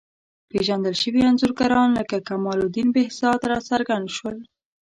پېژندل شوي انځورګران لکه کمال الدین بهزاد راڅرګند شول.